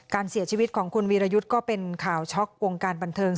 การเสียชีวิตของคุณวีรยุทธ์ก็เป็นข่าวช็อกวงการบันเทิง